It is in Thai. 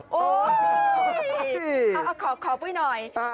ขอปุ้ยหน่อย